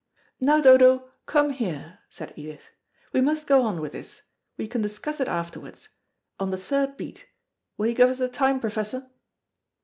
"Now, Dodo, come here," said Edith. "We must go on with this. You can discuss it afterwards. On the third beat. Will you give us the time, Professor?"